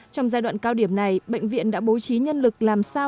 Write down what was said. trong giai đoạn cao điểm này bệnh viện đã bố trí nhân lực làm sao